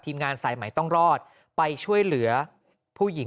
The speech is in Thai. กรุงเทพฯมหานครทำไปแล้วนะครับ